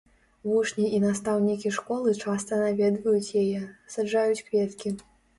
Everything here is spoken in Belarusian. Вучні і настаўнікі школы часта наведваюць яе, саджаюць кветкі.